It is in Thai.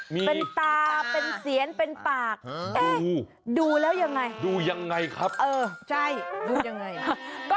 มีเป็นตาเป็นเสียนเป็นปากดูแล้วยังไงดูยังไงครับเออใช่ดูยังไง